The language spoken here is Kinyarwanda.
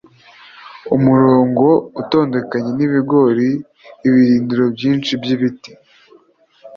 umurongo utondekanye w'ibigori, ibirindiro byinshi by'ibiti